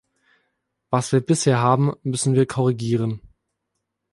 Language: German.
Was wir bisher haben, müssen wir korrigieren.